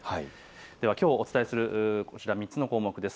ではきょうお伝えする３つの項目です。